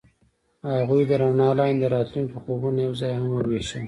هغوی د رڼا لاندې د راتلونکي خوبونه یوځای هم وویشل.